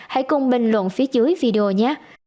hãy cùng bình luận phía dưới video nhé